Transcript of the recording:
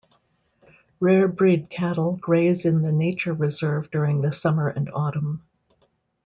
Rare breed cattle graze in the nature reserve during the summer and autumn.